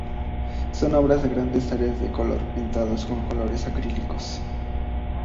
Son obras de grandes áreas de color pintados con colores acrílicos.